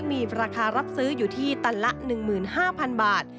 มีราคารับซื้ออยู่ที่ตันละ๑๕๐๐๐บาท